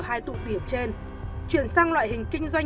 hai tụ điểm trên chuyển sang loại hình kinh doanh